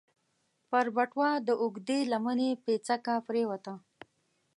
پر بټوه د اوږدې لمنې پيڅکه پرېوته.